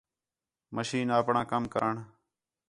مشین اپݨاں کَم کرݨ